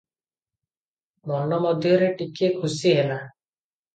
ମନ ମଧ୍ୟରେ ଟିକିଏ ଖୁସି ହେଲା ।